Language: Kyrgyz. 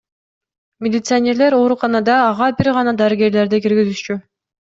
Милиционерлер ооруканада ага бир гана дарыгерлерди киргизишчү.